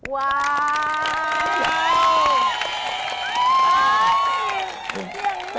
ครับ